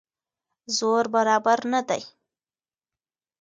زور برابر نه دی.